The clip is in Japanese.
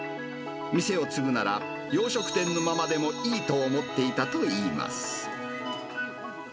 店を継ぐなら、洋食店のままでもいいと思っていたと言います。